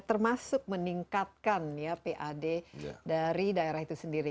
termasuk meningkatkan ya pad dari daerah itu sendiri